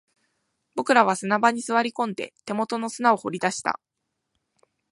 僕らは砂場に座り込んで、手元の砂を掘り出した